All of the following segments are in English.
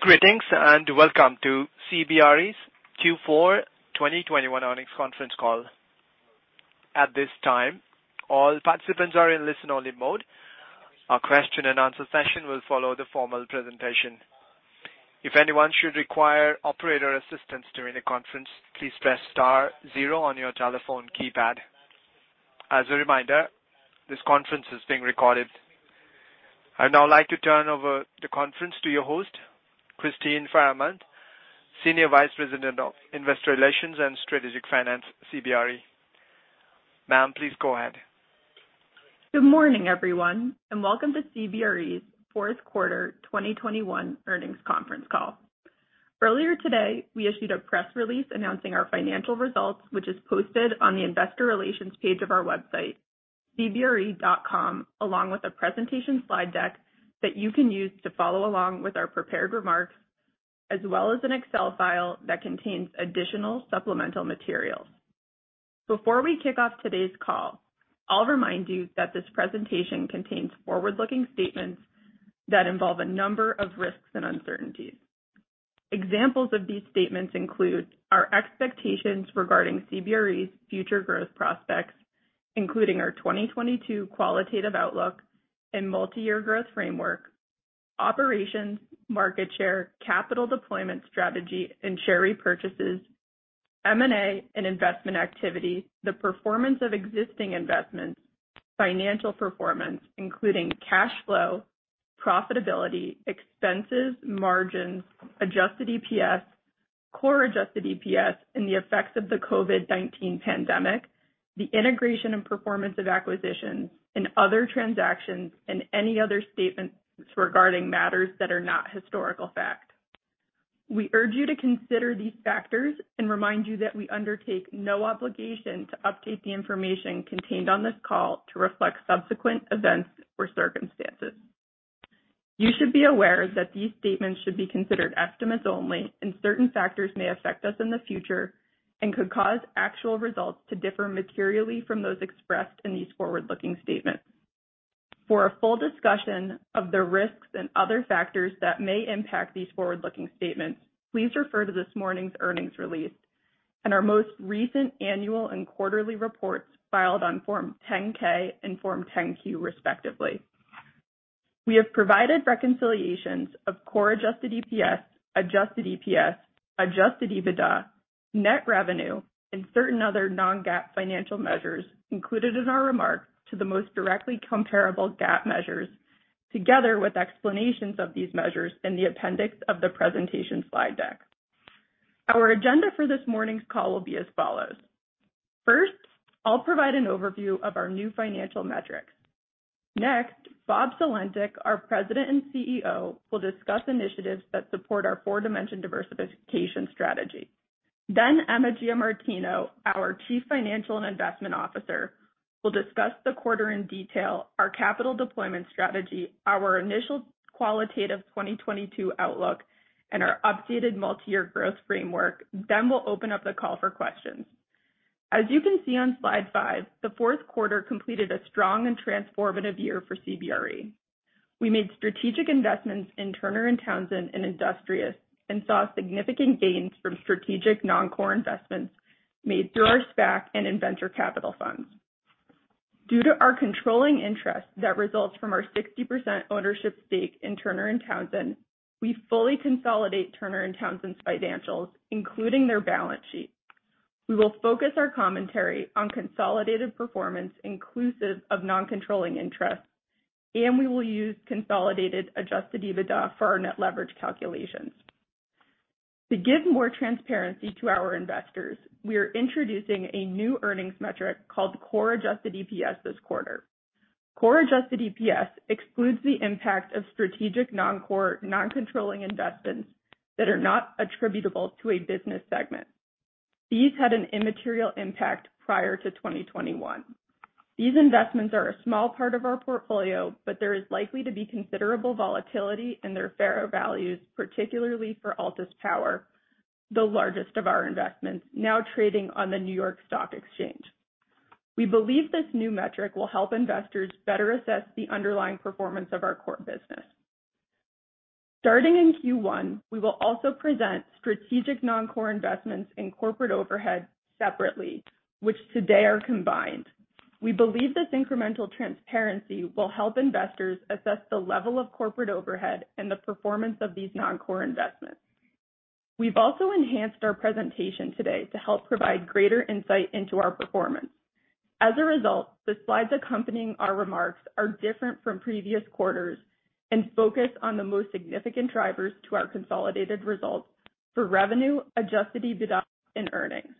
Greetings, and welcome to CBRE's Q4 2021 Earnings Conference Call. At this time, all participants are in listen-only mode. A question-and-answer session will follow the formal presentation. If anyone should require operator assistance during the conference, please press star zero on your telephone keypad. As a reminder, this conference is being recorded. I'd now like to turn over the conference to your host, Kristyn Farahmand, Senior Vice President of Investor Relations and Strategic Finance, CBRE. Ma'am, please go ahead. Good morning, everyone, and welcome to CBRE's fourth quarter 2021 earnings conference call. Earlier today, we issued a press release announcing our financial results, which is posted on the investor relations page of our website, cbre.com, along with a presentation slide deck that you can use to follow along with our prepared remarks, as well as an Excel file that contains additional supplemental materials. Before we kick off today's call, I'll remind you that this presentation contains forward-looking statements that involve a number of risks and uncertainties. Examples of these statements include our expectations regarding CBRE's future growth prospects, including our 2022 qualitative outlook and multi-year growth framework, operations, market share, capital deployment strategy, and share repurchases, M&A and investment activity, the performance of existing investments, financial performance, including cash flow, profitability, expenses, margins, adjusted EPS, core adjusted EPS, and the effects of the COVID-19 pandemic, the integration and performance of acquisitions and other transactions, and any other statements regarding matters that are not historical fact. We urge you to consider these factors and remind you that we undertake no obligation to update the information contained on this call to reflect subsequent events or circumstances. You should be aware that these statements should be considered estimates only, and certain factors may affect us in the future and could cause actual results to differ materially from those expressed in these forward-looking statements. For a full discussion of the risks and other factors that may impact these forward-looking statements, please refer to this morning's earnings release and our most recent annual and quarterly reports filed on Form 10-K and Form 10-Q, respectively. We have provided reconciliations of core adjusted EPS, adjusted EPS, adjusted EBITDA, net revenue, and certain other non-GAAP financial measures included in our remarks to the most directly comparable GAAP measures, together with explanations of these measures in the appendix of the presentation slide deck. Our agenda for this morning's call will be as follows. First, I'll provide an overview of our new financial metrics. Next, Bob Sulentic, our President and CEO, will discuss initiatives that support our four-dimension diversification strategy. Then Emma Giamartino, our Chief Financial and Investment Officer, will discuss the quarter in detail, our capital deployment strategy, our initial qualitative 2022 outlook, and our updated multi-year growth framework. We'll open up the call for questions. As you can see on slide five, the fourth quarter completed a strong and transformative year for CBRE. We made strategic investments in Turner & Townsend and Industrious and saw significant gains from strategic non-core investments made through our SPAC and in venture capital funds. Due to our controlling interest that results from our 60% ownership stake in Turner & Townsend, we fully consolidate Turner & Townsend's financials, including their balance sheet. We will focus our commentary on consolidated performance inclusive of non-controlling interests, and we will use consolidated adjusted EBITDA for our net leverage calculations. To give more transparency to our investors, we are introducing a new earnings metric called core adjusted EPS this quarter. Core adjusted EPS excludes the impact of strategic non-core, non-controlling investments that are not attributable to a business segment. These had an immaterial impact prior to 2021. These investments are a small part of our portfolio, but there is likely to be considerable volatility in their fair values, particularly for Altus Power, the largest of our investments, now trading on the New York Stock Exchange. We believe this new metric will help investors better assess the underlying performance of our core business. Starting in Q1, we will also present strategic non-core investments in corporate overhead separately, which today are combined. We believe this incremental transparency will help investors assess the level of corporate overhead and the performance of these non-core investments. We've also enhanced our presentation today to help provide greater insight into our performance. As a result, the slides accompanying our remarks are different from previous quarters and focus on the most significant drivers to our consolidated results for revenue, adjusted EBITDA, and earnings.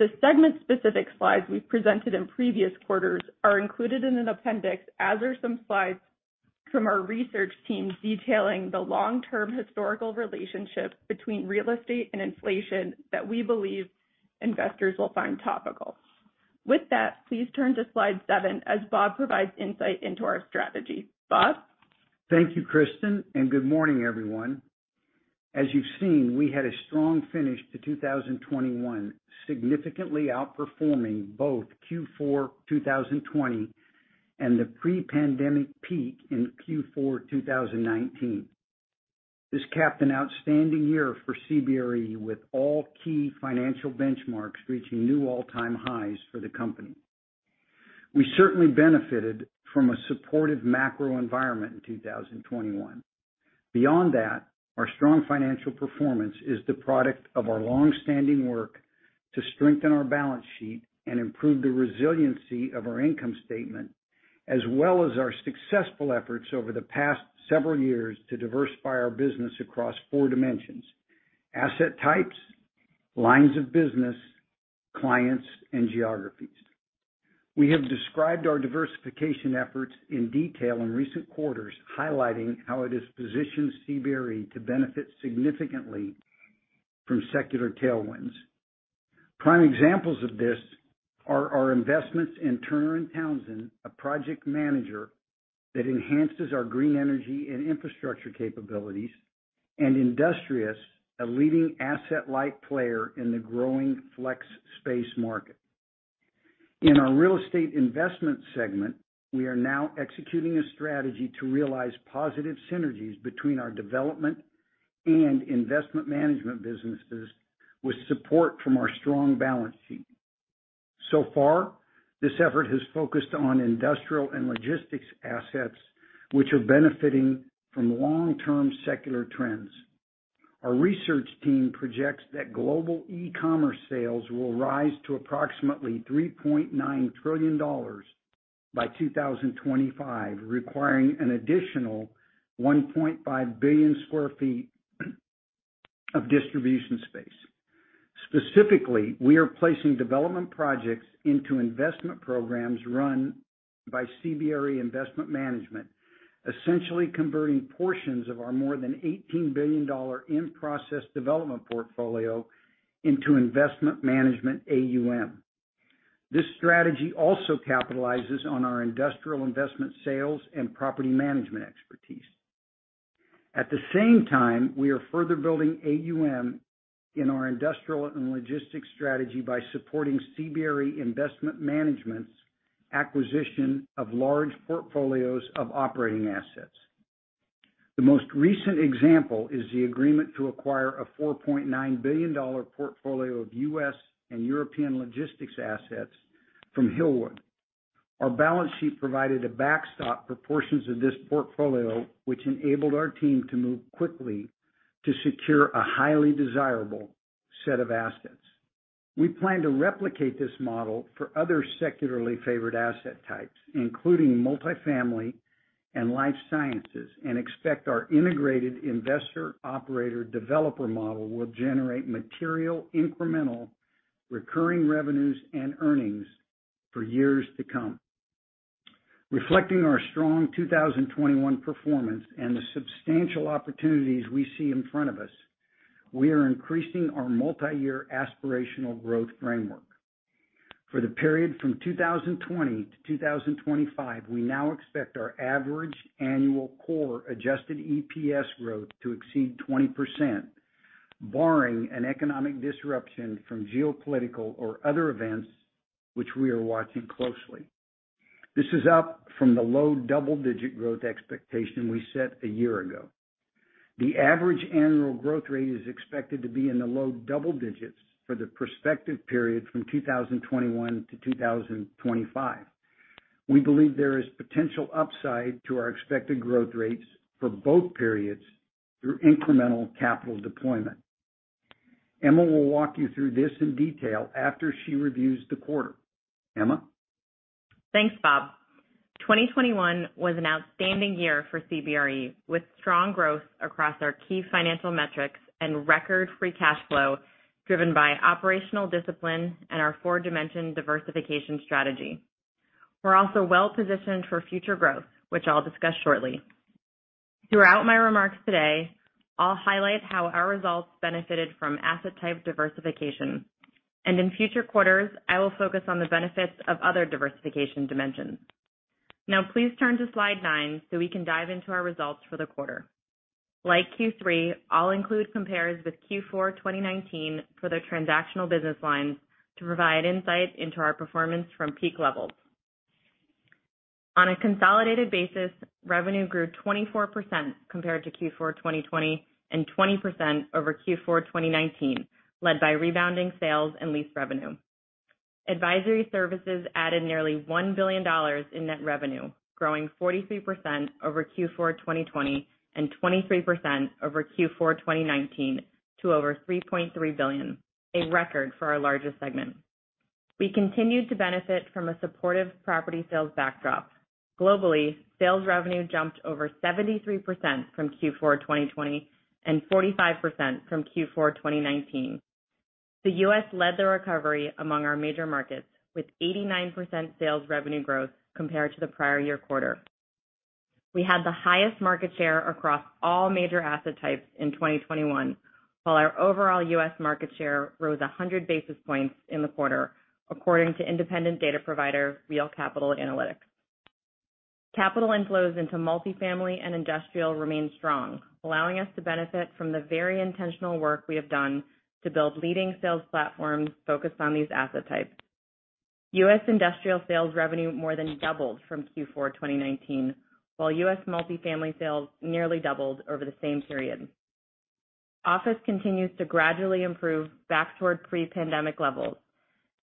The segment-specific slides we've presented in previous quarters are included in an appendix, as are some slides from our research team detailing the long-term historical relationship between real estate and inflation that we believe investors will find topical. With that, please turn to slide seven as Bob provides insight into our strategy. Bob? Thank you, Kristyn, and good morning, everyone. As you've seen, we had a strong finish to 2021, significantly outperforming both Q4 2020 and the pre-pandemic peak in Q4 2019. This capped an outstanding year for CBRE, with all key financial benchmarks reaching new all-time highs for the company. We certainly benefited from a supportive macro environment in 2021. Beyond that, our strong financial performance is the product of our long-standing work to strengthen our balance sheet and improve the resiliency of our income statement, as well as our successful efforts over the past several years to diversify our business across four dimensions, asset types, lines of business, clients, and geographies. We have described our diversification efforts in detail in recent quarters, highlighting how it has positioned CBRE to benefit significantly from secular tailwinds. Prime examples of this are our investments in Turner & Townsend, a project manager that enhances our green energy and infrastructure capabilities, and Industrious, a leading asset-light player in the growing flex space market. In our Real Estate Investments segment, we are now executing a strategy to realize positive synergies between our development and investment management businesses with support from our strong balance sheet. This effort has focused on industrial and logistics assets, which are benefiting from long-term secular trends. Our research team projects that global e-commerce sales will rise to approximately $3.9 trillion by 2025, requiring an additional 1.5 billion sq ft of distribution space. Specifically, we are placing development projects into investment programs run by CBRE Investment Management, essentially converting portions of our more than $18 billion in-process development portfolio into investment management AUM. This strategy also capitalizes on our industrial investment sales and property management expertise. At the same time, we are further building AUM in our industrial and logistics strategy by supporting CBRE Investment Management's acquisition of large portfolios of operating assets. The most recent example is the agreement to acquire a $4.9 billion portfolio of U.S. and European logistics assets from Hillwood. Our balance sheet provided a backstop for portions of this portfolio, which enabled our team to move quickly to secure a highly desirable set of assets. We plan to replicate this model for other secularly favored asset types, including multifamily and life sciences, and expect our integrated investor operator developer model will generate material incremental recurring revenues and earnings for years to come. Reflecting our strong 2021 performance and the substantial opportunities we see in front of us, we are increasing our multiyear aspirational growth framework. For the period from 2020 to 2025, we now expect our average annual core adjusted EPS growth to exceed 20%, barring an economic disruption from geopolitical or other events which we are watching closely. This is up from the low double-digit growth expectation we set a year ago. The average annual growth rate is expected to be in the low double digits for the prospective period from 2021 to 2025. We believe there is potential upside to our expected growth rates for both periods through incremental capital deployment. Emma will walk you through this in detail after she reviews the quarter. Emma. Thanks, Bob. 2021 was an outstanding year for CBRE, with strong growth across our key financial metrics and record free cash flow driven by operational discipline and our four-dimension diversification strategy. We're also well-positioned for future growth, which I'll discuss shortly. Throughout my remarks today, I'll highlight how our results benefited from asset type diversification, and in future quarters, I will focus on the benefits of other diversification dimensions. Now please turn to slide 9 so we can dive into our results for the quarter. Like Q3, I'll include compares with Q4 2019 for the transactional business lines to provide insight into our performance from peak levels. On a consolidated basis, revenue grew 24% compared to Q4 2020 and 20% over Q4 2019, led by rebounding sales and lease revenue. Advisory services added nearly $1 billion in net revenue, growing 43% over Q4 2020 and 23% over Q4 2019 to over $3.3 billion, a record for our largest segment. We continued to benefit from a supportive property sales backdrop. Globally, sales revenue jumped over 73% from Q4 2020 and 45% from Q4 2019. The U.S. led the recovery among our major markets with 89% sales revenue growth compared to the prior year quarter. We had the highest market share across all major asset types in 2021, while our overall U.S. market share rose 100 basis points in the quarter according to independent data provider Real Capital Analytics. Capital inflows into multifamily and industrial remain strong, allowing us to benefit from the very intentional work we have done to build leading sales platforms focused on these asset types. U.S. industrial sales revenue more than doubled from Q4 2019, while U.S. multifamily sales nearly doubled over the same period. Office continues to gradually improve back toward pre-pandemic levels,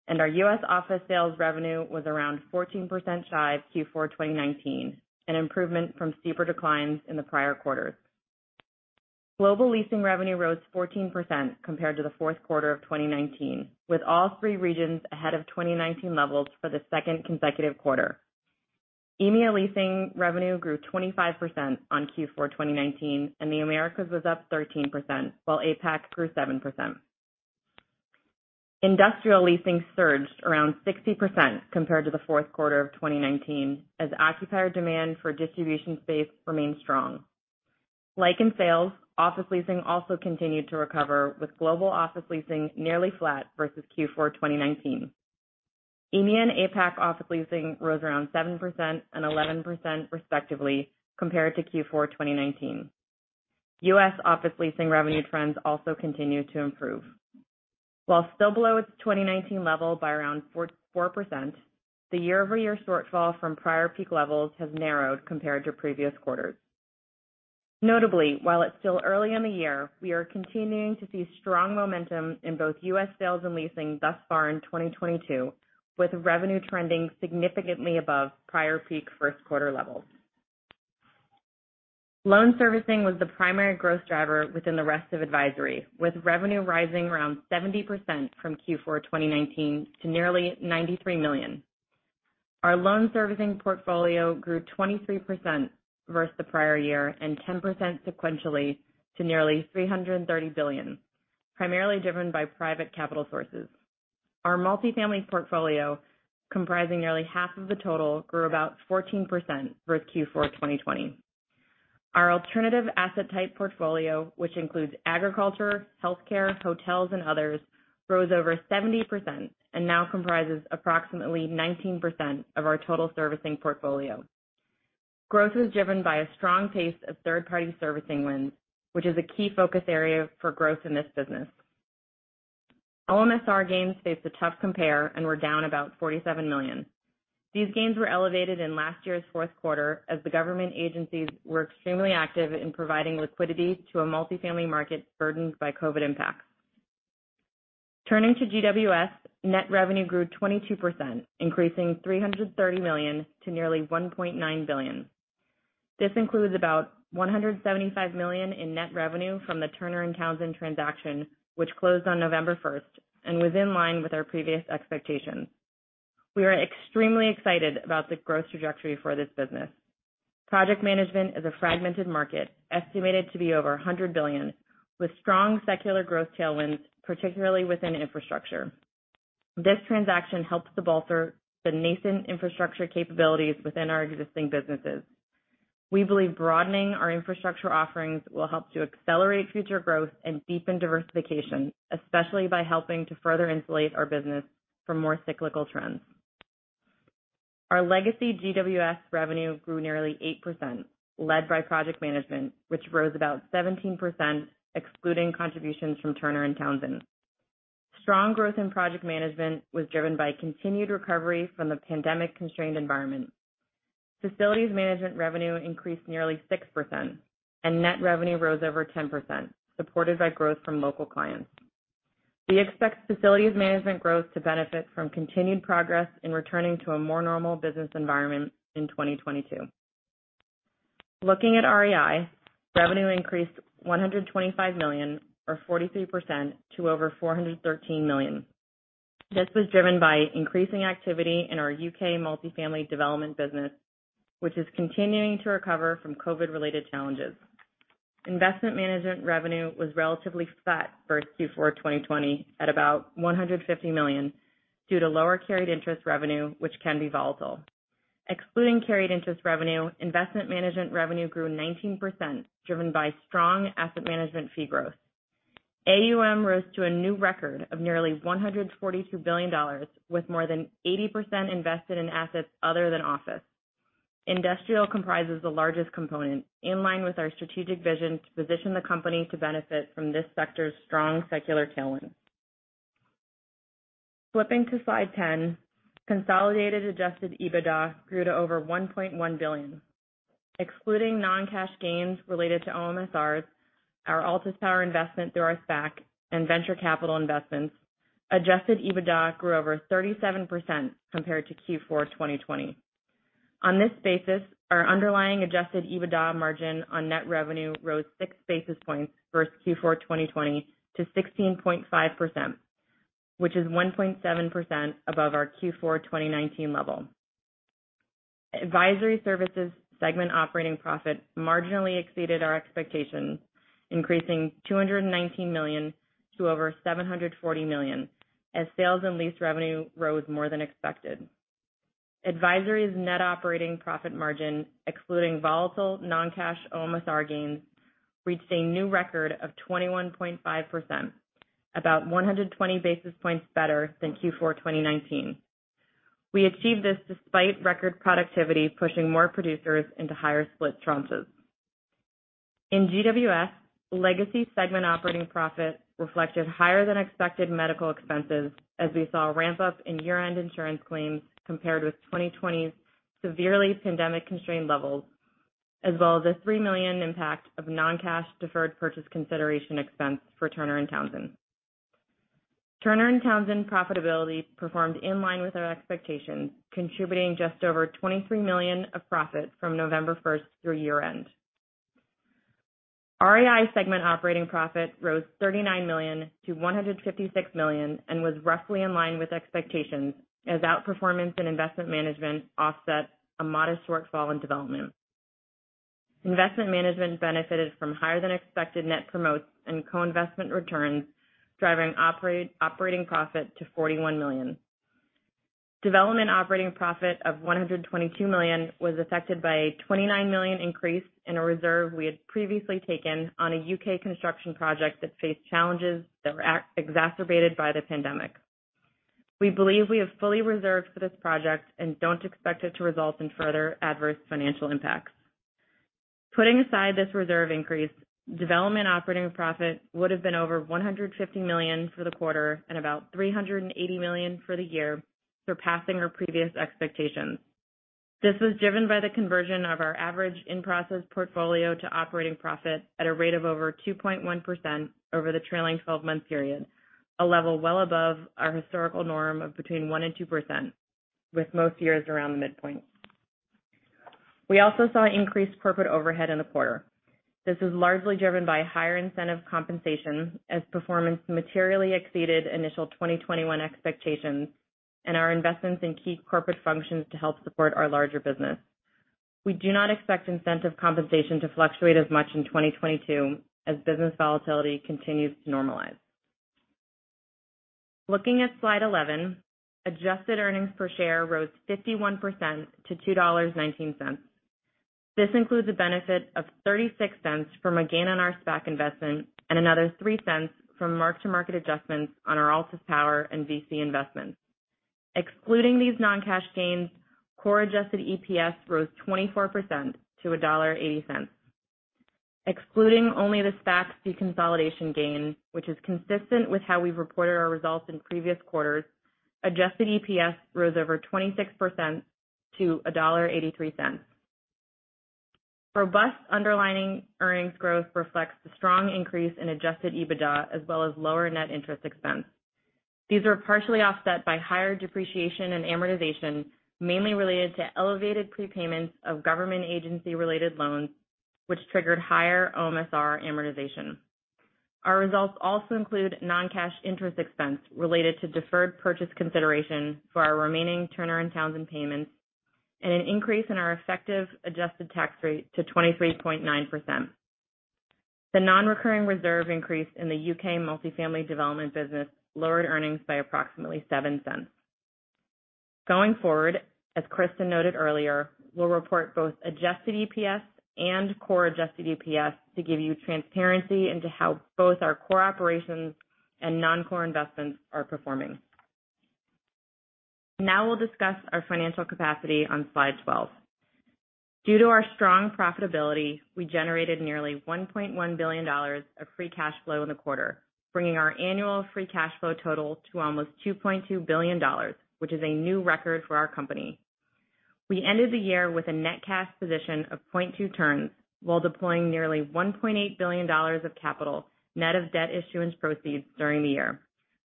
and our U.S. office sales revenue was around 14% shy of Q4 2019, an improvement from steeper declines in the prior quarters. Global leasing revenue rose 14% compared to the fourth quarter of 2019, with all three regions ahead of 2019 levels for the second consecutive quarter. EMEA leasing revenue grew 25% on Q4 2019, and the Americas was up 13%, while APAC grew 7%. Industrial leasing surged around 60% compared to the fourth quarter of 2019 as occupier demand for distribution space remained strong. Like in sales, office leasing also continued to recover, with global office leasing nearly flat versus Q4 2019. EMEA and APAC office leasing rose around 7% and 11% respectively compared to Q4 2019. U.S. office leasing revenue trends also continue to improve. While still below its 2019 level by around 4%, the year-over-year shortfall from prior peak levels has narrowed compared to previous quarters. Notably, while it's still early in the year, we are continuing to see strong momentum in both U.S. sales and leasing thus far in 2022, with revenue trending significantly above prior peak first quarter levels. Loan servicing was the primary growth driver within the rest of advisory, with revenue rising around 70% from Q4 2019 to nearly $93 million. Our loan servicing portfolio grew 23% versus the prior year and 10% sequentially to nearly $330 billion, primarily driven by private capital sources. Our multifamily portfolio, comprising nearly half of the total, grew about 14% versus Q4 2020. Our alternative asset type portfolio, which includes agriculture, healthcare, hotels, and others, rose over 70% and now comprises approximately 19% of our total servicing portfolio. Growth was driven by a strong pace of third-party servicing wins, which is a key focus area for growth in this business. OMSR gains faced a tough compare and were down about $47 million. These gains were elevated in last year's fourth quarter as the government agencies were extremely active in providing liquidity to a multifamily market burdened by COVID impacts. Turning to GWS, net revenue grew 22%, increasing $330 million to nearly $1.9 billion. This includes about $175 million in net revenue from the Turner & Townsend transaction, which closed on November first and was in line with our previous expectations. We are extremely excited about the growth trajectory for this business. Project management is a fragmented market estimated to be over $100 billion, with strong secular growth tailwinds, particularly within infrastructure. This transaction helps to bolster the nascent infrastructure capabilities within our existing businesses. We believe broadening our infrastructure offerings will help to accelerate future growth and deepen diversification, especially by helping to further insulate our business from more cyclical trends. Our legacy GWS revenue grew nearly 8%, led by project management, which rose about 17% excluding contributions from Turner & Townsend. Strong growth in project management was driven by continued recovery from the pandemic-constrained environment. Facilities management revenue increased nearly 6%, and net revenue rose over 10%, supported by growth from local clients. We expect facilities management growth to benefit from continued progress in returning to a more normal business environment in 2022. Looking at REI, revenue increased $125 million or 43% to over $413 million. This was driven by increasing activity in our U.K. multifamily development business, which is continuing to recover from COVID-related challenges. Investment management revenue was relatively flat versus Q4 2020 at about $150 million due to lower carried interest revenue, which can be volatile. Excluding carried interest revenue, investment management revenue grew 19%, driven by strong asset management fee growth. AUM rose to a new record of nearly $142 billion, with more than 80% invested in assets other than office. Industrial comprises the largest component, in line with our strategic vision to position the company to benefit from this sector's strong secular tailwind. Flipping to slide 10, consolidated adjusted EBITDA grew to over $1.1 billion. Excluding non-cash gains related to OMSRs, our Altus Power investment through our SPAC and venture capital investments, adjusted EBITDA grew over 37% compared to Q4 2020. On this basis, our underlying adjusted EBITDA margin on net revenue rose 6 basis points versus Q4 2020 to 16.5%, which is 1.7% above our Q4 2019 level. Advisory services segment operating profit marginally exceeded our expectations, increasing $219 million to over $740 million as sales and lease revenue rose more than expected. Advisory's net operating profit margin, excluding volatile non-cash OMSR gains, reached a new record of 21.5%. About 120 basis points better than Q4 2019. We achieved this despite record productivity pushing more producers into higher split tranches. In GWS, legacy segment operating profit reflected higher than expected medical expenses as we saw a ramp up in year-end insurance claims compared with 2020's severely pandemic-constrained levels, as well as a $3 million impact of non-cash deferred purchase consideration expense for Turner & Townsend. Turner & Townsend profitability performed in line with our expectations, contributing just over $23 million of profit from November 1st through year-end. REI segment operating profit rose $39 million to $156 million and was roughly in line with expectations as outperformance in investment management offset a modest shortfall in development. Investment management benefited from higher than expected net promotes and co-investment returns, driving operating profit to $41 million. Development operating profit of $122 million was affected by a $29 million increase in a reserve we had previously taken on a U.K. construction project that faced challenges that were exacerbated by the pandemic. We believe we have fully reserved for this project and don't expect it to result in further adverse financial impacts. Putting aside this reserve increase, development operating profit would have been over $150 million for the quarter and about $380 million for the year, surpassing our previous expectations. This was driven by the conversion of our average in-process portfolio to operating profit at a rate of over 2.1% over the trailing 12 month period, a level well above our historical norm of between 1% and 2%, with most years around the midpoint. We also saw increased corporate overhead in the quarter. This was largely driven by higher incentive compensation as performance materially exceeded initial 2021 expectations and our investments in key corporate functions to help support our larger business. We do not expect incentive compensation to fluctuate as much in 2022 as business volatility continues to normalize. Looking at slide 11, adjusted earnings per share rose 51% to $2.19. This includes a benefit of $0.36 from a gain on our SPAC investment and another $0.03 from mark-to-market adjustments on our Altus Power and VC investments. Excluding these non-cash gains, core adjusted EPS rose 24% to $1.80. Excluding only the SPAC deconsolidation gain, which is consistent with how we've reported our results in previous quarters, adjusted EPS rose over 26% to $1.83. Robust underlying earnings growth reflects the strong increase in adjusted EBITDA as well as lower net interest expense. These were partially offset by higher depreciation and amortization, mainly related to elevated prepayments of government agency related loans, which triggered higher OMSR amortization. Our results also include non-cash interest expense related to deferred purchase consideration for our remaining Turner & Townsend payments and an increase in our effective adjusted tax rate to 23.9%. The non-recurring reserve increase in the U.K. multifamily development business lowered earnings by approximately $0.07. Going forward, as Kristyn noted earlier, we'll report both adjusted EPS and core adjusted EPS to give you transparency into how both our core operations and non-core investments are performing. Now we'll discuss our financial capacity on slide 12. Due to our strong profitability, we generated nearly $1.1 billion of free cash flow in the quarter, bringing our annual free cash flow total to almost $2.2 billion, which is a new record for our company. We ended the year with a net cash position of 0.2 turns while deploying nearly $1.8 billion of capital, net of debt issuance proceeds during the year,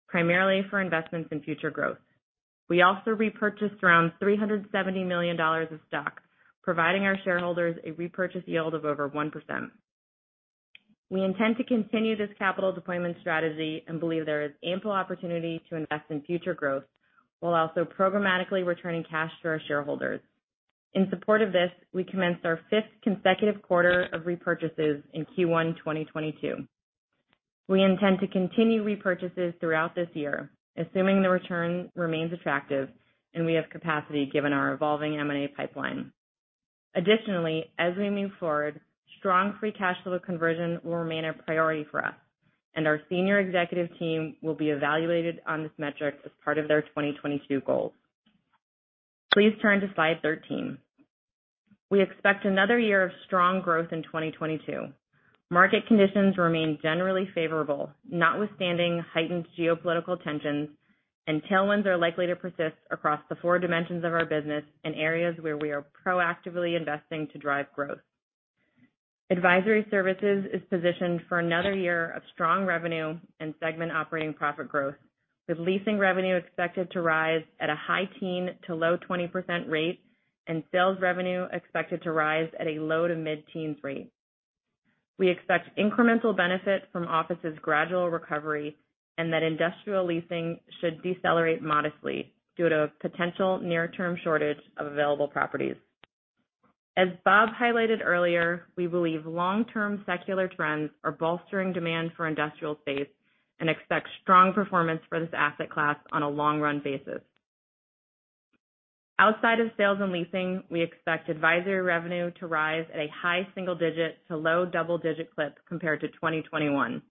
primarily for investments in future growth. We also repurchased around $370 million of stock, providing our shareholders a repurchase yield of over 1%. We intend to continue this capital deployment strategy and believe there is ample opportunity to invest in future growth while also programmatically returning cash to our shareholders. In support of this, we commenced our fifth consecutive quarter of repurchases in Q1, 2022. We intend to continue repurchases throughout this year, assuming the return remains attractive and we have capacity given our evolving M&A pipeline. Additionally, as we move forward, strong free cash flow conversion will remain a priority for us, and our senior executive team will be evaluated on this metric as part of their 2022 goals. Please turn to slide 13. We expect another year of strong growth in 2022. Market conditions remain generally favorable, notwithstanding heightened geopolitical tensions, and tailwinds are likely to persist across the four dimensions of our business in areas where we are proactively investing to drive growth. Advisory services is positioned for another year of strong revenue and segment operating profit growth, with leasing revenue expected to rise at a high-teens to low-20s% rate and sales revenue expected to rise at a low- to mid-teens per cent rate. We expect incremental benefit from office's gradual recovery and that industrial leasing should decelerate modestly due to potential near-term shortage of available properties. As Bob highlighted earlier, we believe long-term secular trends are bolstering demand for industrial space and expect strong performance for this asset class on a long-run basis. Outside of sales and leasing, we expect advisory revenue to rise at a high-single-digit to low double-digit percent clip compared to 2021.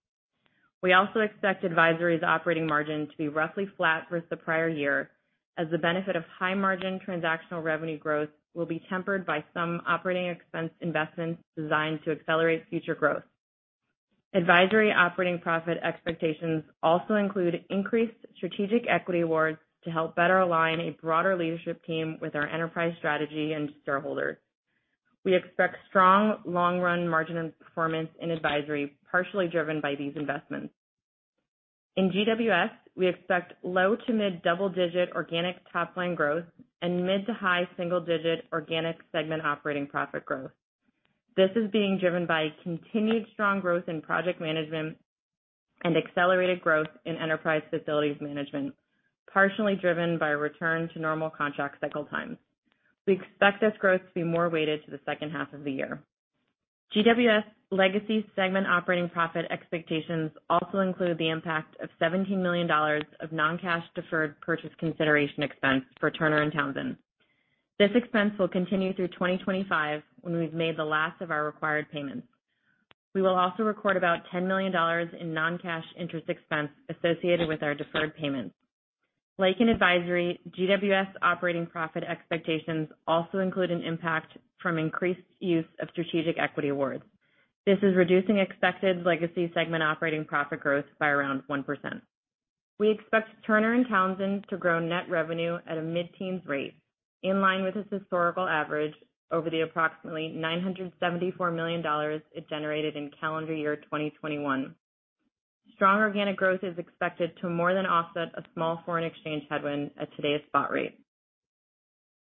We also expect advisory's operating margin to be roughly flat versus the prior year, as the benefit of high margin transactional revenue growth will be tempered by some operating expense investments designed to accelerate future growth. Advisory operating profit expectations also include increased strategic equity awards to help better align a broader leadership team with our enterprise strategy and stockholders. We expect strong long run margin and performance in advisory, partially driven by these investments. In GWS, we expect low to mid double-digit organic top line growth and mid to high single digit organic segment operating profit growth. This is being driven by continued strong growth in project management and accelerated growth in enterprise facilities management, partially driven by a return to normal contract cycle times. We expect this growth to be more weighted to the second half of the year. GWS legacy segment operating profit expectations also include the impact of $17 million of non-cash deferred purchase consideration expense for Turner & Townsend. This expense will continue through 2025 when we've made the last of our required payments. We will also record about $10 million in non-cash interest expense associated with our deferred payments. Like in advisory, GWS operating profit expectations also include an impact from increased use of strategic equity awards. This is reducing expected legacy segment operating profit growth by around 1%. We expect Turner & Townsend to grow net revenue at a mid-teens rate, in line with its historical average over the approximately $974 million it generated in calendar year 2021. Strong organic growth is expected to more than offset a small foreign exchange headwind at today's spot rate.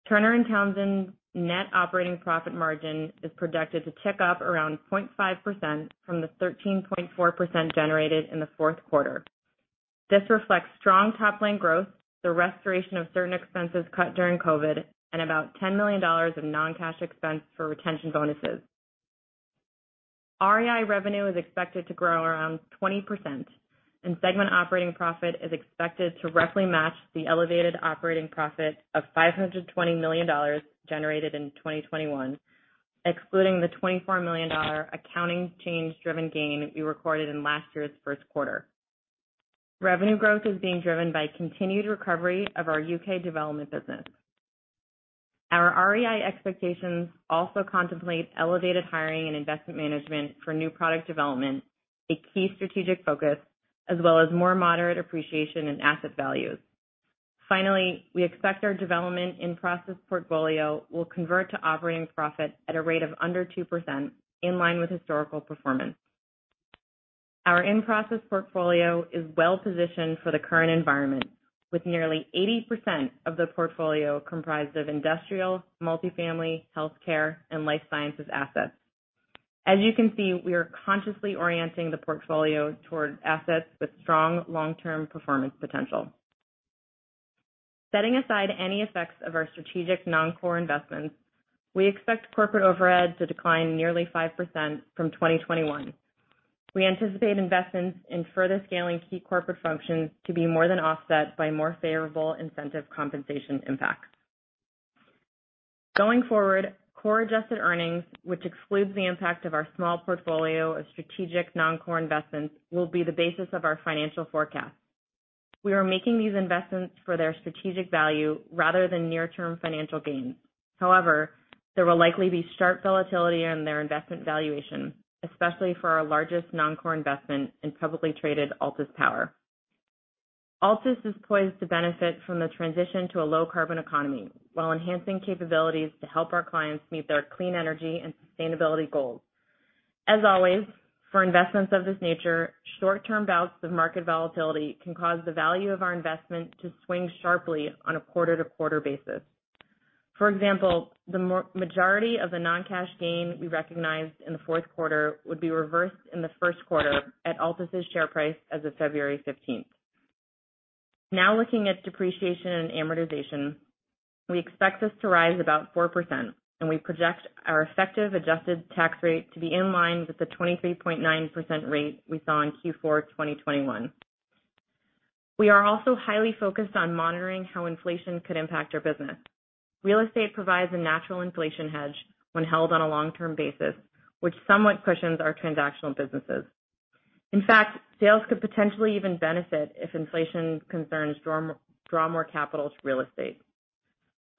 Turner & Townsend's net operating profit margin is projected to tick up around 0.5% from the 13.4% generated in the fourth quarter. This reflects strong top line growth, the restoration of certain expenses cut during COVID, and about $10 million of non-cash expense for retention bonuses. REI revenue is expected to grow around 20%, and segment operating profit is expected to roughly match the elevated operating profit of $520 million generated in 2021, excluding the $24 million accounting change driven gain we recorded in last year's first quarter. Revenue growth is being driven by continued recovery of our U.K. development business. Our REI expectations also contemplate elevated hiring and investment management for new product development, a key strategic focus, as well as more moderate appreciation in asset values. Finally, we expect our development in-process portfolio will convert to operating profit at a rate of under 2% in line with historical performance. Our in-process portfolio is well-positioned for the current environment with nearly 80% of the portfolio comprised of industrial, multifamily, healthcare, and life sciences assets. As you can see, we are consciously orienting the portfolio toward assets with strong long-term performance potential. Setting aside any effects of our strategic non-core investments, we expect corporate overhead to decline nearly 5% from 2021. We anticipate investments in further scaling key corporate functions to be more than offset by more favorable incentive compensation impact. Going forward, core adjusted earnings, which excludes the impact of our small portfolio of strategic non-core investments, will be the basis of our financial forecast. We are making these investments for their strategic value rather than near-term financial gains. However, there will likely be sharp volatility in their investment valuation, especially for our largest non-core investment in publicly traded Altus Power. Altus is poised to benefit from the transition to a low carbon economy while enhancing capabilities to help our clients meet their clean energy and sustainability goals. As always, for investments of this nature, short-term bouts of market volatility can cause the value of our investment to swing sharply on a quarter-to-quarter basis. For example, the majority of the non-cash gain we recognized in the fourth quarter would be reversed in the first quarter at Altus' share price as of February fifteenth. Now looking at depreciation and amortization. We expect this to rise about 4%, and we project our effective adjusted tax rate to be in line with the 23.9% rate we saw in Q4 2021. We are also highly focused on monitoring how inflation could impact our business. Real estate provides a natural inflation hedge when held on a long-term basis, which somewhat cushions our transactional businesses. In fact, sales could potentially even benefit if inflation concerns draw more capital to real estate.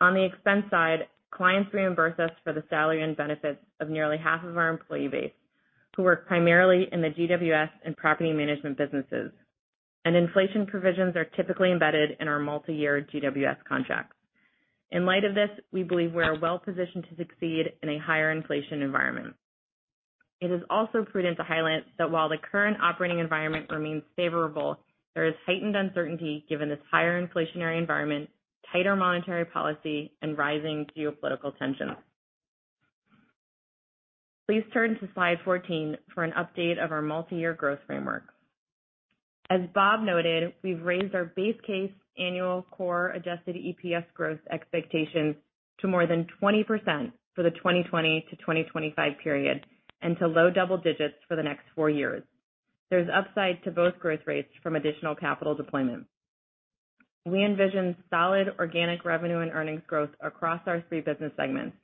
On the expense side, clients reimburse us for the salary and benefits of nearly half of our employee base, who work primarily in the GWS and property management businesses. Inflation provisions are typically embedded in our multi-year GWS contracts. In light of this, we believe we're well-positioned to succeed in a higher inflation environment. It is also prudent to highlight that while the current operating environment remains favorable, there is heightened uncertainty given this higher inflationary environment, tighter monetary policy, and rising geopolitical tension. Please turn to slide 14 for an update of our multi-year growth framework. As Bob noted, we've raised our base case annual core adjusted EPS growth expectations to more than 20% for the 2020 to 2025 period, and to low double digits for the next four years. There's upside to both growth rates from additional capital deployment. We envision solid organic revenue and earnings growth across our three business segments.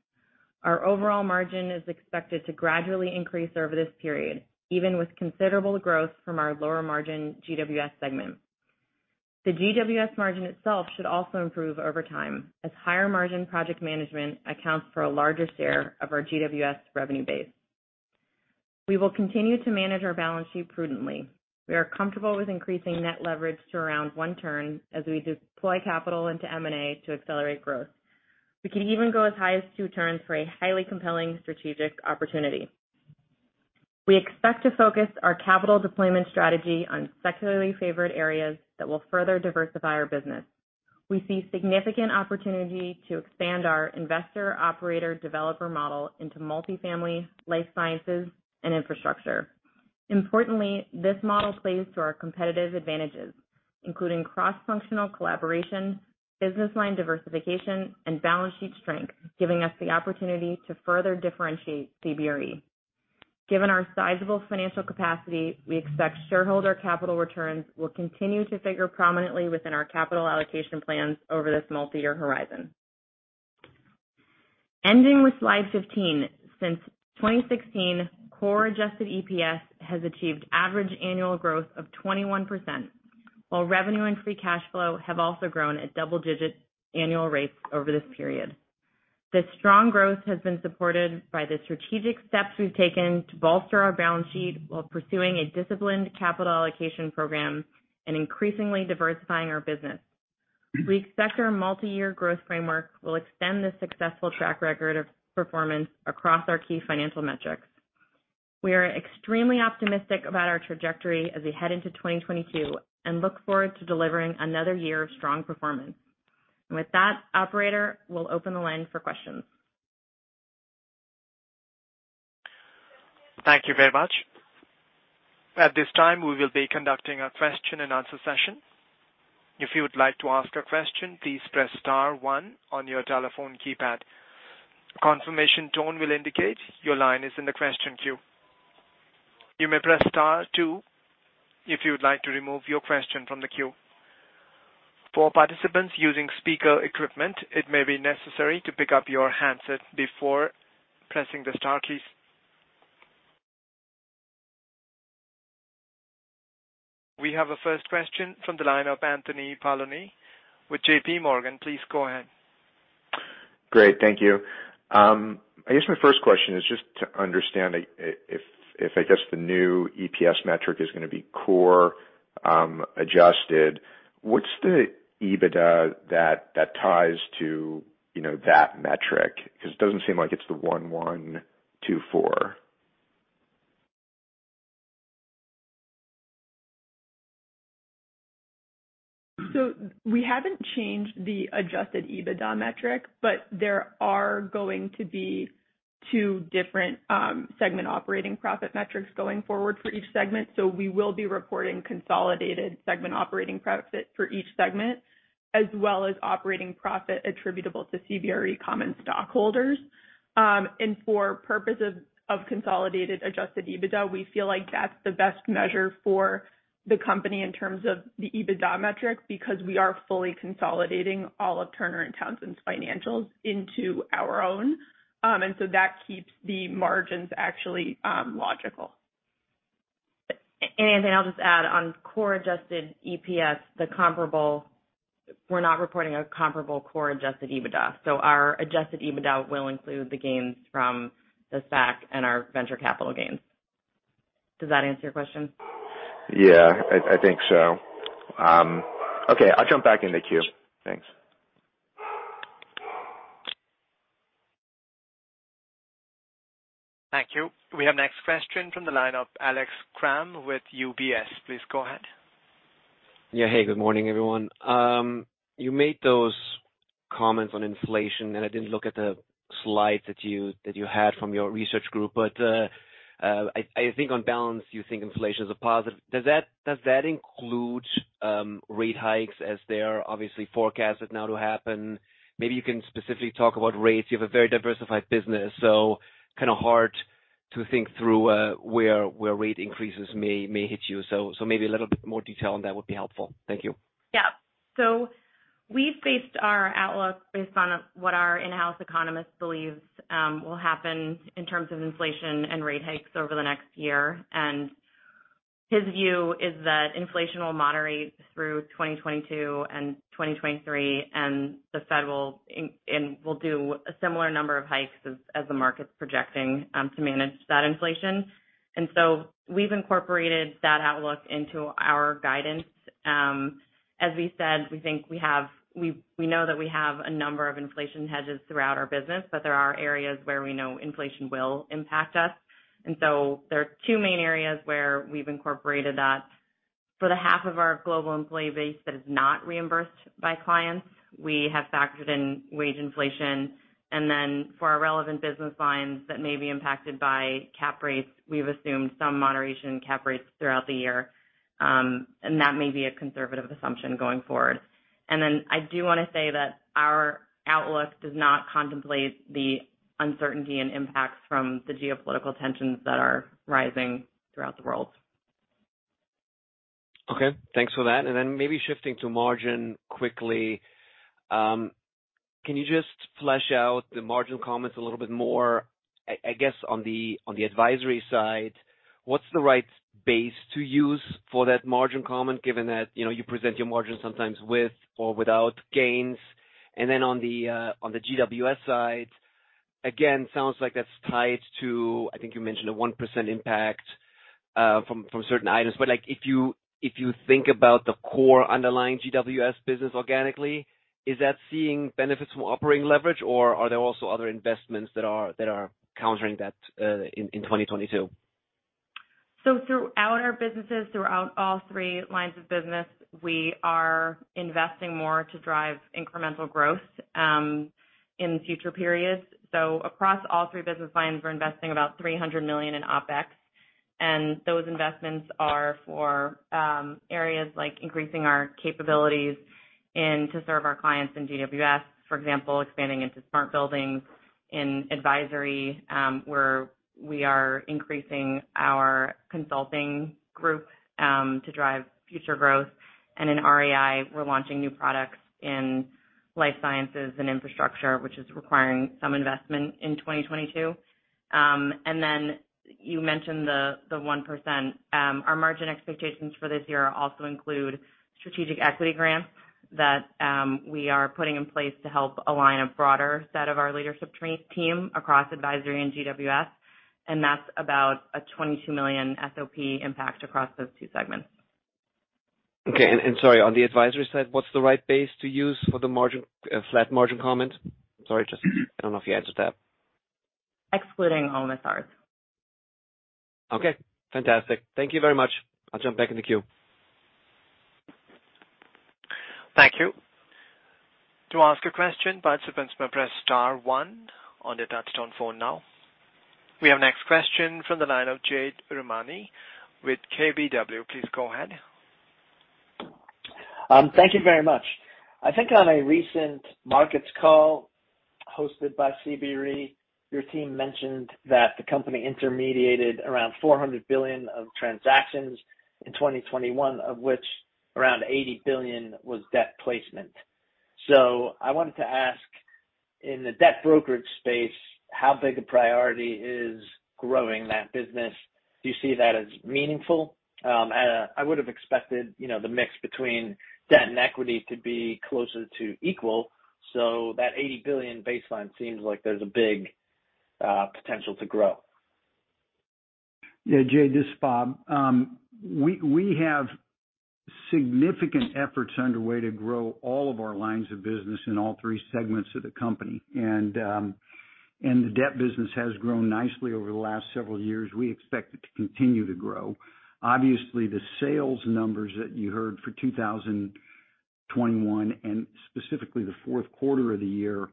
Our overall margin is expected to gradually increase over this period, even with considerable growth from our lower margin GWS segment. The GWS margin itself should also improve over time, as higher margin project management accounts for a larger share of our GWS revenue base. We will continue to manage our balance sheet prudently. We are comfortable with increasing net leverage to around one turn as we deploy capital into M&A to accelerate growth. We can even go as high as two turns for a highly compelling strategic opportunity. We expect to focus our capital deployment strategy on secularly favored areas that will further diversify our business. We see significant opportunity to expand our investor operator developer model into multifamily, life sciences, and infrastructure. Importantly, this model plays to our competitive advantages, including cross-functional collaboration, business line diversification, and balance sheet strength, giving us the opportunity to further differentiate CBRE. Given our sizable financial capacity, we expect shareholder capital returns will continue to figure prominently within our capital allocation plans over this multiyear horizon. Ending with slide 15. Since 2016, core adjusted EPS has achieved average annual growth of 21%, while revenue and free cash flow have also grown at double-digit annual rates over this period. This strong growth has been supported by the strategic steps we've taken to bolster our balance sheet while pursuing a disciplined capital allocation program and increasingly diversifying our business. We expect our multi-year growth framework will extend the successful track record of performance across our key financial metrics. We are extremely optimistic about our trajectory as we head into 2022, and look forward to delivering another year of strong performance. With that operator, we'll open the line for questions. Thank you very much. At this time we will be conducting a question and answer session. If you would like to ask a question, please press star one on your telephone keypad. Confirmation tone will indicate your line is in the question queue. You may press star two if you would like to remove your question from the queue. For participants using speaker equipment, it may be necessary to pick up your handset before pressing the star keys. We have a first question from the line of Anthony Paolone with JPMorgan. Please go ahead. Great, thank you. I guess my first question is just to understand if I guess the new EPS metric is gonna be core adjusted. What's the EBITDA that ties to, you know, that metric? Because it doesn't seem like it's the 1124. We haven't changed the adjusted EBITDA metric, but there are going to be two different segment operating profit metrics going forward for each segment. We will be reporting consolidated segment operating profit for each segment, as well as operating profit attributable to CBRE common stockholders. For purposes of consolidated adjusted EBITDA, we feel like that's the best measure for the company in terms of the EBITDA metric, because we are fully consolidating all of Turner & Townsend's financials into our own. That keeps the margins actually logical. Anything, I'll just add on core adjusted EPS. We're not reporting a comparable core adjusted EBITDA, so our adjusted EBITDA will include the gains from the SPAC and our venture capital gains. Does that answer your question? Yeah, I think so. Okay, I'll jump back in the queue. Thanks. Thank you. We have next question from the line of Alex Kramm with UBS. Please go ahead. Yeah. Hey, good morning, everyone. You made those comments on inflation, and I didn't look at the slides that you had from your research group. I think on balance, you think inflation is a positive. Does that include rate hikes as they are obviously forecasted now to happen? Maybe you can specifically talk about rates. You have a very diversified business, so kind of hard to think through where rate increases may hit you. Maybe a little bit more detail on that would be helpful. Thank you. Yeah. We based our outlook based on what our in-house economist believes will happen in terms of inflation and rate hikes over the next year. His view is that inflation will moderate through 2022 and 2023, and the Fed will do a similar number of hikes as the market's projecting to manage that inflation. We've incorporated that outlook into our guidance. As we said, we know that we have a number of inflation hedges throughout our business, but there are areas where we know inflation will impact us. There are two main areas where we've incorporated that. For the half of our global employee base that is not reimbursed by clients, we have factored in wage inflation. For our relevant business lines that may be impacted by cap rates, we've assumed some moderation in cap rates throughout the year. That may be a conservative assumption going forward. I do want to say that our outlook does not contemplate the uncertainty and impacts from the geopolitical tensions that are rising throughout the world. Okay. Thanks for that. Maybe shifting to margin quickly. Can you just flesh out the margin comments a little bit more? I guess on the advisory side, what's the right base to use for that margin comment, given that, you know, you present your margin sometimes with or without gains? Then on the GWS side, again, sounds like that's tied to. I think you mentioned a 1% impact from certain items. Like, if you think about the core underlying GWS business organically, is that seeing benefits from operating leverage or are there also other investments that are countering that in 2022? Throughout our businesses, throughout all three lines of business, we are investing more to drive incremental growth in future periods. Across all three business lines, we're investing about $300 million in OpEx. Those investments are for areas like increasing our capabilities to serve our clients in GWS, for example, expanding into smart buildings. In advisory, we are increasing our consulting group to drive future growth. In REI, we're launching new products in life sciences and infrastructure, which is requiring some investment in 2022. Then you mentioned the 1%. Our margin expectations for this year also include strategic equity grants that we are putting in place to help align a broader set of our leadership team across advisory and GWS, and that's about a $22 million SOP impact across those two segments. Okay. Sorry, on the advisory side, what's the right base to use for the margin, flat margin comment? Sorry, just I don't know if you answered that. Excluding OMSR. Okay, fantastic. Thank you very much. I'll jump back in the queue. Thank you. To ask a question, participants may press star one on their touchtone phone now. We have next question from the line of Jade Rahmani with KBW. Please go ahead. Thank you very much. I think on a recent markets call hosted by CBRE, your team mentioned that the company intermediated around $400 billion of transactions in 2021, of which around $80 billion was debt placement. I wanted to ask, in the debt brokerage space, how big a priority is growing that business? Do you see that as meaningful? I would have expected, you know, the mix between debt and equity to be closer to equal, so that $80 billion baseline seems like there's a big potential to grow. Yeah, Jade, this is Bob. We have significant efforts underway to grow all of our lines of business in all three segments of the company. The debt business has grown nicely over the last several years. We expect it to continue to grow. Obviously, the sales numbers that you heard for 2021, and specifically the fourth quarter of the year,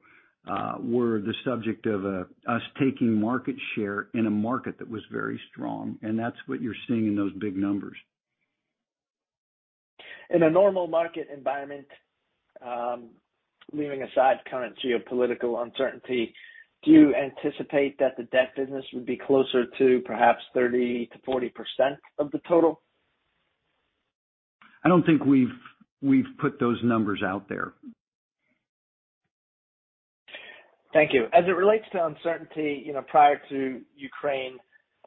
were the subject of us taking market share in a market that was very strong, and that's what you're seeing in those big numbers. In a normal market environment, leaving aside current geopolitical uncertainty, do you anticipate that the debt business would be closer to perhaps 30%-40% of the total? I don't think we've put those numbers out there. Thank you. As it relates to uncertainty, you know, prior to Ukraine,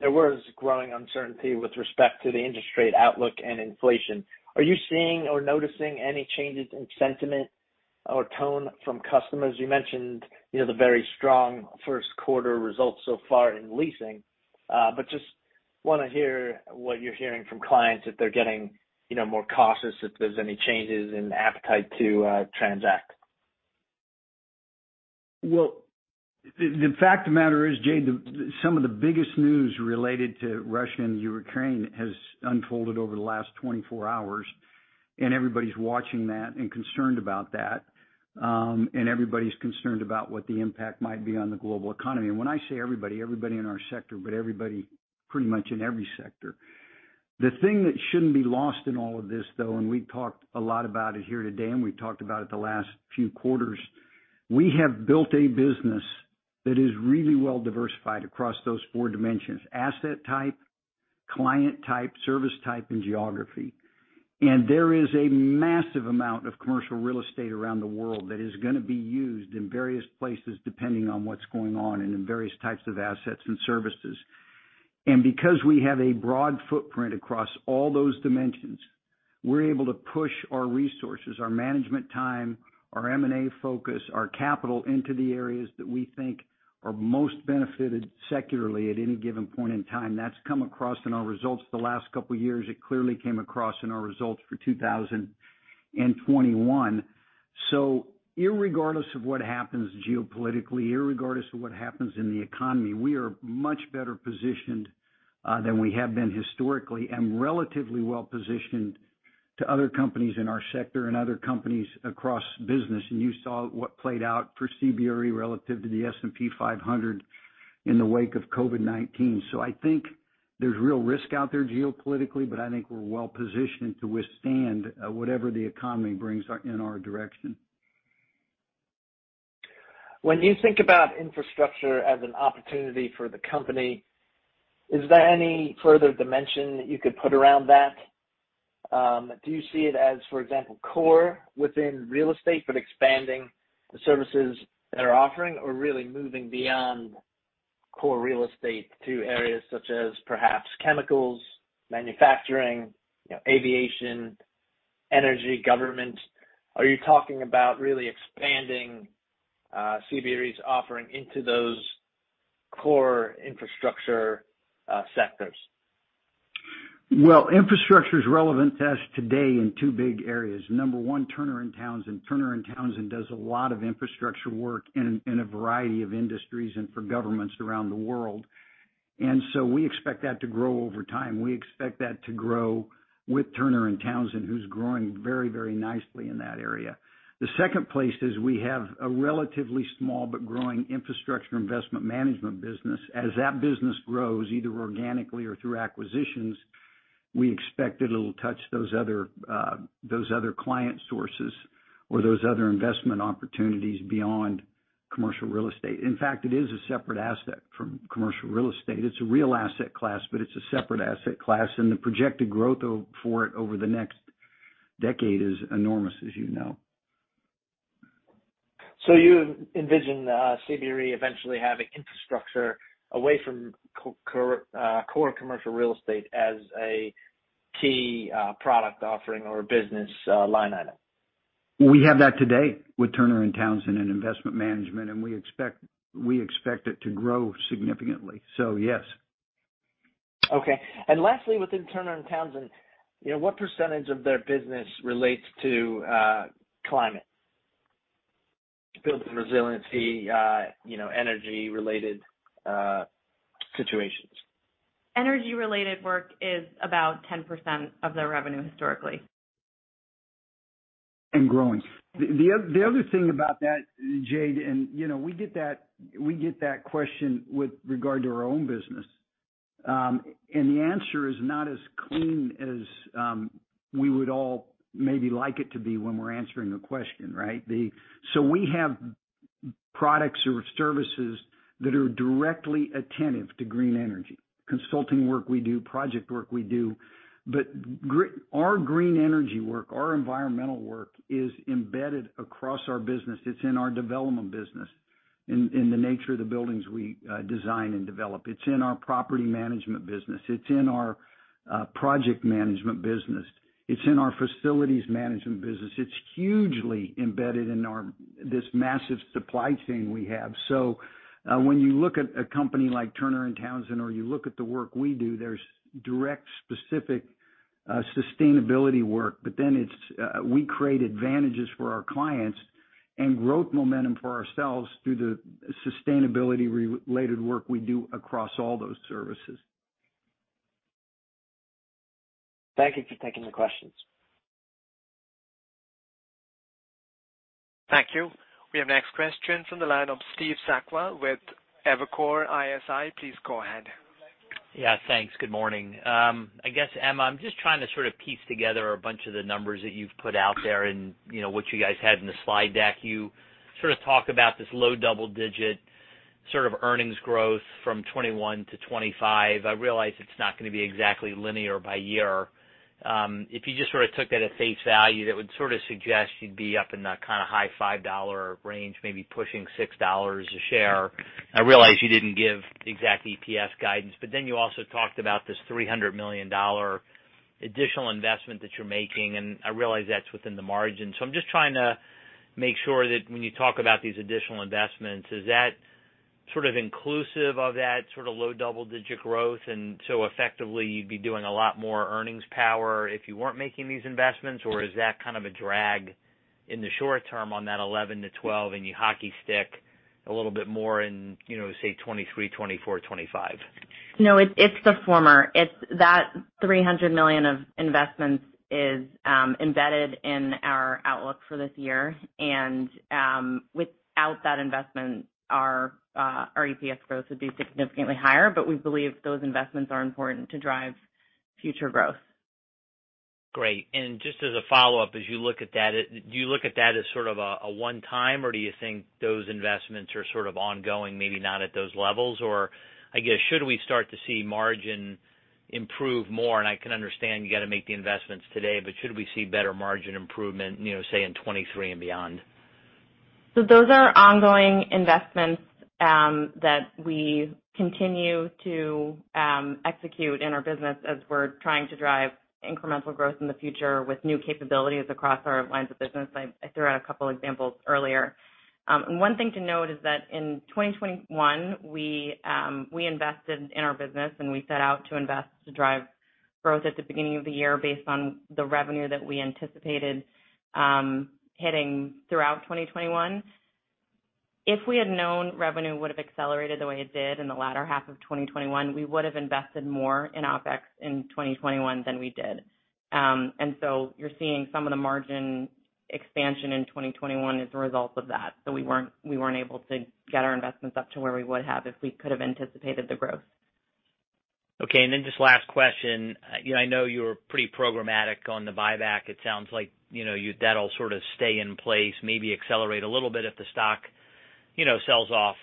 there was growing uncertainty with respect to the interest rate outlook and inflation. Are you seeing or noticing any changes in sentiment or tone from customers? You mentioned, you know, the very strong first quarter results so far in leasing. But just wanna hear what you're hearing from clients, if they're getting, you know, more cautious, if there's any changes in appetite to transact. Well, the fact of the matter is, Jade, some of the biggest news related to Russia and Ukraine has unfolded over the last 24 hours, and everybody's watching that and concerned about that. Everybody's concerned about what the impact might be on the global economy. When I say everybody in our sector, but everybody pretty much in every sector. The thing that shouldn't be lost in all of this, though, and we talked a lot about it here today, and we've talked about it the last few quarters. We have built a business that is really well diversified across those four dimensions: asset type, client type, service type, and geography. There is a massive amount of commercial real estate around the world that is gonna be used in various places depending on what's going on and in various types of assets and services. Because we have a broad footprint across all those dimensions, we're able to push our resources, our management time, our M&A focus, our capital into the areas that we think are most benefited secularly at any given point in time. That's come across in our results the last couple of years. It clearly came across in our results for 2021. Irregardless of what happens geopolitically, irregardless of what happens in the economy, we are much better positioned than we have been historically and relatively well-positioned to other companies in our sector and other companies across business. You saw what played out for CBRE relative to the S&P 500 in the wake of COVID-19. I think there's real risk out there geopolitically, but I think we're well positioned to withstand whatever the economy brings in our direction. When you think about infrastructure as an opportunity for the company, is there any further dimension that you could put around that? Do you see it as, for example, core within real estate, but expanding the services that are offering or really moving beyond core real estate to areas such as perhaps chemicals, manufacturing, you know, aviation, energy, government? Are you talking about really expanding, CBRE's offering into those core infrastructure, sectors? Well, infrastructure is relevant to us today in two big areas. Number one, Turner & Townsend. Turner & Townsend does a lot of infrastructure work in a variety of industries and for governments around the world. We expect that to grow over time. We expect that to grow with Turner & Townsend, who's growing very, very nicely in that area. The second place is we have a relatively small but growing infrastructure investment management business. As that business grows, either organically or through acquisitions, we expect it'll touch those other client sources or those other investment opportunities beyond commercial real estate. In fact, it is a separate asset from commercial real estate. It's a real asset class, but it's a separate asset class, and the projected growth for it over the next decade is enormous, as you know. You envision CBRE eventually having infrastructure away from core commercial real estate as a key product offering or business line item? We have that today with Turner & Townsend in investment management, and we expect it to grow significantly. Yes. Okay. Lastly, within Turner & Townsend, you know, what percentage of their business relates to climate? To build resiliency, you know, energy-related situations. Energy-related work is about 10% of their revenue historically. Growing. The other thing about that, Jade, you know, we get that question with regard to our own business. The answer is not as clean as we would all maybe like it to be when we're answering a question, right? We have products or services that are directly attentive to green energy. Consulting work we do, project work we do. But our green energy work, our environmental work is embedded across our business. It's in our development business, in the nature of the buildings we design and develop. It's in our property management business. It's in our project management business. It's in our facilities management business. It's hugely embedded in this massive supply chain we have. when you look at a company like Turner & Townsend, or you look at the work we do, there's direct specific sustainability work. But then it's we create advantages for our clients and growth momentum for ourselves through the sustainability-related work we do across all those services. Thank you for taking the questions. Thank you. We have next question from the line of Steve Sakwa with Evercore ISI. Please go ahead. Yeah, thanks. Good morning. I guess, Emma, I'm just trying to sort of piece together a bunch of the numbers that you've put out there and, you know, what you guys had in the slide deck. You sort of talked about this low double-digit sort of earnings growth from 2021 to 2025. I realize it's not gonna be exactly linear by year. If you just sort of took that at face value, that would sort of suggest you'd be up in the kinda high $5 range, maybe pushing $6 a share. I realize you didn't give exact EPS guidance, but then you also talked about this $300 million additional investment that you're making, and I realize that's within the margin. I'm just trying to make sure that when you talk about these additional investments, is that sort of inclusive of that sort of low double-digit growth? Effectively you'd be doing a lot more earnings power if you weren't making these investments, or is that kind of a drag in the short term on that 11%-12% and you hockey stick a little bit more in, you know, say, 2023, 2024, 2025? No, it's the former. It's that $300 million of investments is embedded in our outlook for this year. Without that investment, our EPS growth would be significantly higher. We believe those investments are important to drive future growth. Great. Just as a follow-up, as you look at that, do you look at that as sort of a one time, or do you think those investments are sort of ongoing, maybe not at those levels? I guess, should we start to see margins improve more? I can understand you got to make the investments today, but should we see better margin improvement, you know, say in 2023 and beyond? Those are ongoing investments that we continue to execute in our business as we're trying to drive incremental growth in the future with new capabilities across our lines of business. I threw out a couple examples earlier. One thing to note is that in 2021, we invested in our business and we set out to invest to drive growth at the beginning of the year based on the revenue that we anticipated hitting throughout 2021. If we had known revenue would have accelerated the way it did in the latter half of 2021, we would have invested more in OpEx in 2021 than we did. You're seeing some of the margin expansion in 2021 as a result of that. We weren't able to get our investments up to where we would have if we could have anticipated the growth. Okay. Just last question. You know, I know you're pretty programmatic on the buyback. It sounds like, you know, that'll sort of stay in place, maybe accelerate a little bit if the stock, you know, sells off,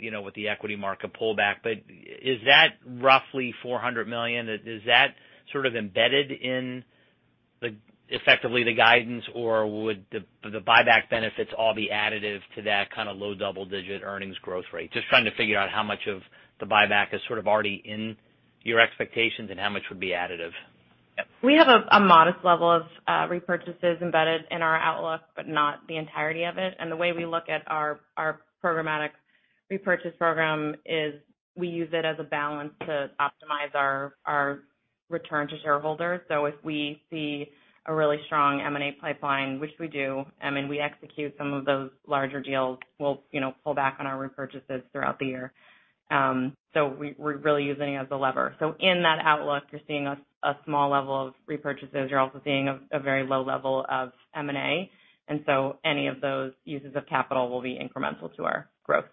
you know, with the equity market pullback. But is that roughly $400 million? Is that sort of embedded in effectively the guidance, or would the buyback benefits all be additive to that kind of low double-digit earnings growth rate? Just trying to figure out how much of the buyback is sort of already in your expectations and how much would be additive. We have a modest level of repurchases embedded in our outlook, but not the entirety of it. The way we look at our programmatic repurchase program is we use it as a balance to optimize our return to shareholders. If we see a really strong M&A pipeline, which we do, and then we execute some of those larger deals, we'll, you know, pull back on our repurchases throughout the year. We're really using it as a lever. In that outlook, you're seeing a small level of repurchases. You're also seeing a very low level of M&A. Any of those uses of capital will be incremental to our growth.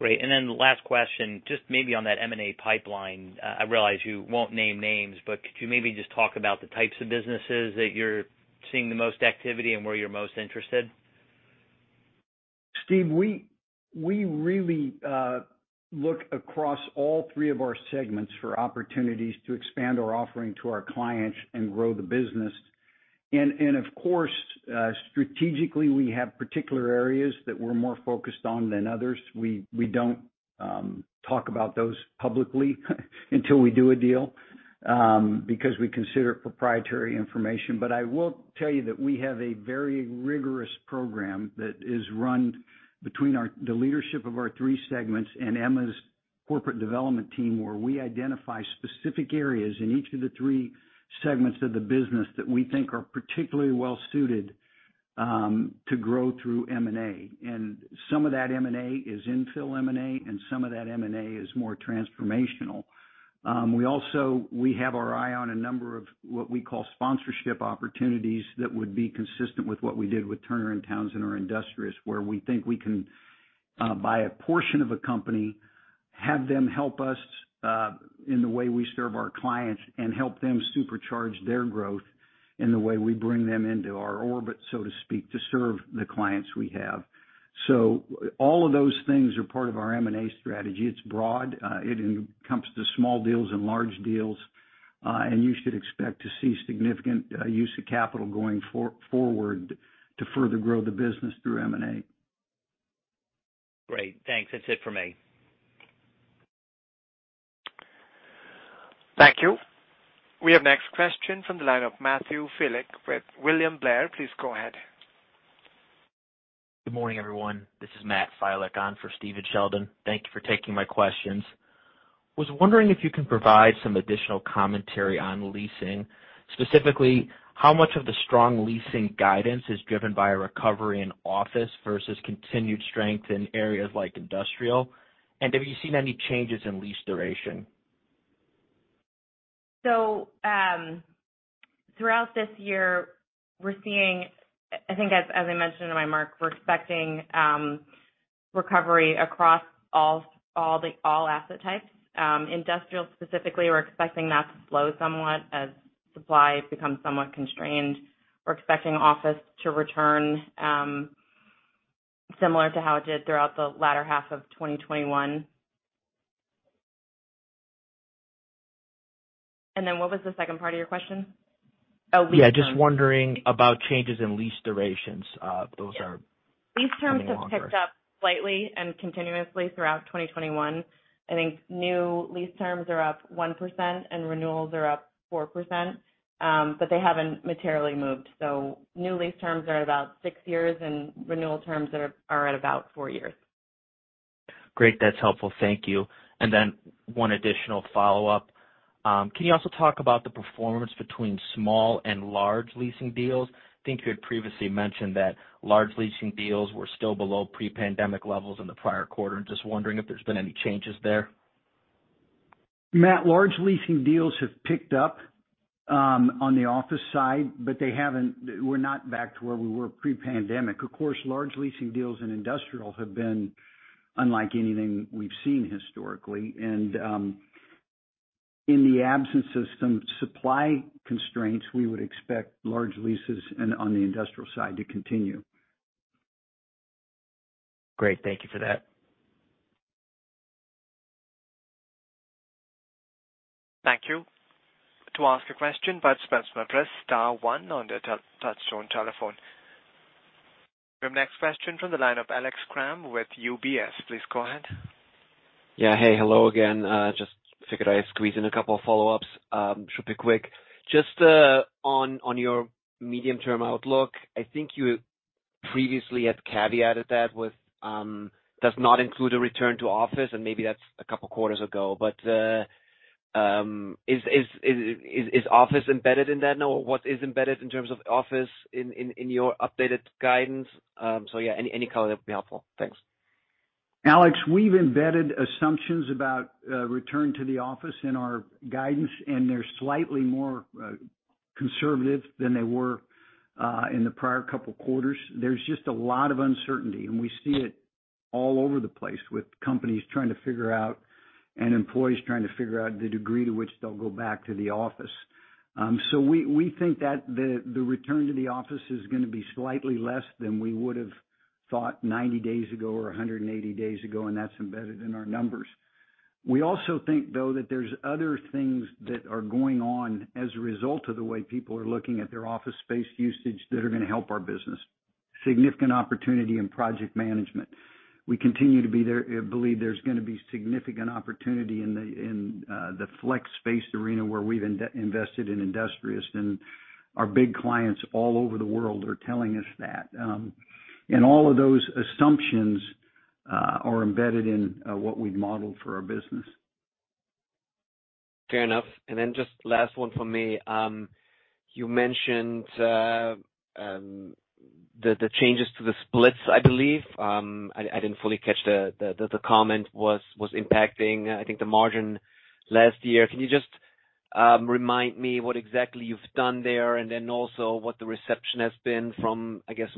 Great. Last question, just maybe on that M&A pipeline. I realize you won't name names, but could you maybe just talk about the types of businesses that you're seeing the most activity and where you're most interested? Steve, we really look across all three of our segments for opportunities to expand our offering to our clients and grow the business. Of course, strategically, we have particular areas that we're more focused on than others. We don't talk about those publicly until we do a deal because we consider it proprietary information. But I will tell you that we have a very rigorous program that is run between the leadership of our three segments and Emma's corporate development team, where we identify specific areas in each of the three segments of the business that we think are particularly well suited to grow through M&A. Some of that M&A is infill M&A, and some of that M&A is more transformational. We have our eye on a number of what we call sponsorship opportunities that would be consistent with what we did with Turner & Townsend or Industrious, where we think we can buy a portion of a company, have them help us in the way we serve our clients and help them supercharge their growth in the way we bring them into our orbit, so to speak, to serve the clients we have. All of those things are part of our M&A strategy. It's broad. It encompasses small deals and large deals, and you should expect to see significant use of capital going forward to further grow the business through M&A. Great. Thanks. That's it for me. Thank you. We have next question from the line of Matthew Filek with William Blair. Please go ahead. Good morning, everyone. This is Matthew Filek on for Stephen Sheldon. Thank you for taking my questions. Was wondering if you can provide some additional commentary on leasing. Specifically, how much of the strong leasing guidance is driven by a recovery in office versus continued strength in areas like industrial? And have you seen any changes in lease duration? Throughout this year, we're seeing, I think as I mentioned in my remarks, we're expecting recovery across all asset types. Industrial specifically, we're expecting that to slow somewhat as supply becomes somewhat constrained. We're expecting office to return similar to how it did throughout the latter half of 2021. What was the second part of your question? Oh, lease terms. Yeah, just wondering about changes in lease durations. Those are getting longer. Lease terms have picked up slightly and continuously throughout 2021. I think new lease terms are up 1% and renewals are up 4%. But they haven't materially moved. New lease terms are at about six years, and renewal terms are at about four years. Great. That's helpful. Thank you. One additional follow-up. Can you also talk about the performance between small and large leasing deals? I think you had previously mentioned that large leasing deals were still below pre-pandemic levels in the prior quarter. I'm just wondering if there's been any changes there. Matt, large leasing deals have picked up on the office side, but we're not back to where we were pre-pandemic. Of course, large leasing deals in industrial have been unlike anything we've seen historically. In the absence of some supply constraints, we would expect large leases on the industrial side to continue. Great. Thank you for that. Thank you. To ask a question, participants may press star one on their touch-tone telephone. Your next question from the line of Alex Kramm with UBS. Please go ahead. Yeah. Hey. Hello again. Just figured I'd squeeze in a couple of follow-ups. Should be quick. Just on your medium-term outlook. I think you previously had caveated that with does not include a return to office, and maybe that's a couple quarters ago. Is office embedded in that now? What is embedded in terms of office in your updated guidance? Yeah, any color that'll be helpful. Thanks. Alex, we've embedded assumptions about return to the office in our guidance, and they're slightly more conservative than they were in the prior couple quarters. There's just a lot of uncertainty, and we see it all over the place with companies trying to figure out and employees trying to figure out the degree to which they'll go back to the office. We think that the return to the office is gonna be slightly less than we would've thought 90 days ago or 180 days ago, and that's embedded in our numbers. We also think though that there's other things that are going on as a result of the way people are looking at their office space usage that are gonna help our business. Significant opportunity in project management. We continue to believe there's gonna be significant opportunity in the flex space arena where we've invested in Industrious, and our big clients all over the world are telling us that. All of those assumptions are embedded in what we've modeled for our business. Fair enough. Just last one for me. You mentioned the changes to the splits, I believe. I didn't fully catch the comment was impacting, I think, the margin last year. Can you just remind me what exactly you've done there and then also what the reception has been from, I guess,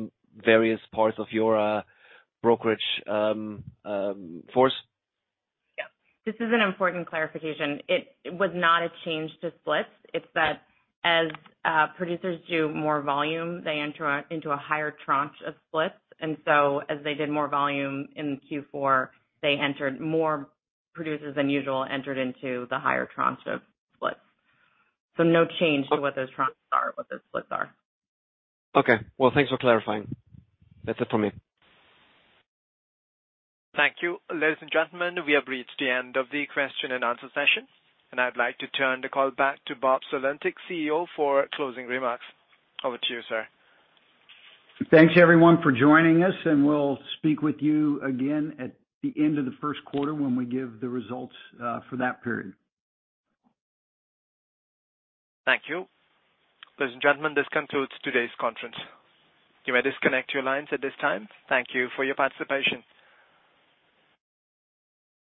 various parts of your brokerage force? Yeah. This is an important clarification. It was not a change to splits. It's that as producers do more volume, they enter into a higher tranche of splits. As they did more volume in Q4, they entered more producers than usual, entered into the higher tranche of splits. No change to what those tranches are, what those splits are. Okay. Well, thanks for clarifying. That's it from me. Thank you. Ladies and gentlemen, we have reached the end of the question and answer session, and I'd like to turn the call back to Bob Sulentic, CEO, for closing remarks. Over to you, sir. Thanks everyone for joining us, and we'll speak with you again at the end of the first quarter when we give the results for that period. Thank you. Ladies and gentlemen, this concludes today's conference. You may disconnect your lines at this time. Thank you for your participation.